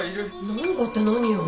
なんかって何よ